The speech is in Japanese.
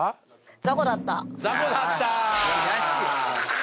「ザコだった」！